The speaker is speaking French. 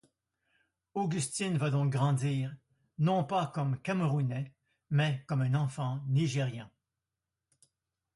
Augustine va donc grandir, non pas comme Camerounais, mais comme un enfant Nigérian.